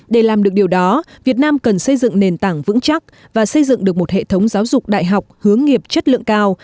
để làm được điều đó việt nam cần xây dựng nền tảng vững chắc và xây dựng được một hệ thống giáo dục đại học hướng nghiệp chất lượng cao